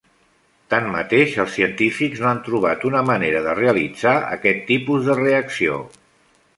Tanmateix, els científics no han trobat una manera de realitzar aquest tipus de reacció.